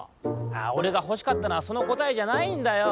おれがほしかったのはそのこたえじゃないんだよ。